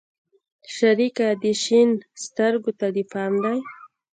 شريکه دې شين سترگو ته دې پام دى.